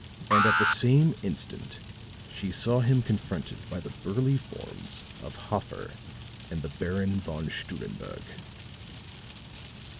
And at the same instant she saw him confronted by the burly forms of Hoffer and the Baron Von Stunnenberg.